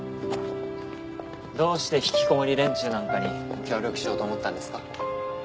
どうしてひきこもり連中なんかに協力しようと思ったんですか？